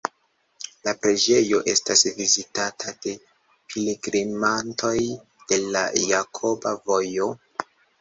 La preĝejo estas vizitata de pilgrimantoj de la Jakoba Vojo.